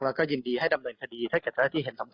แล้วก็ยินดีให้ดำเนินคดีถ้าเครื่องราชินิตเห็นสำควร